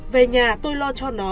về nhà tôi lo cho nó